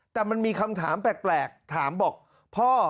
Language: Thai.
แต่มันมีคำถามแปลกถามบอกพ่อ